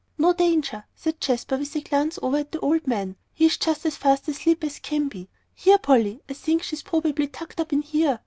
"No danger," said Jasper, with a glance over at the old gentleman; "he's just as fast asleep as can be. Here, Polly, I think she's probably tucked up in here."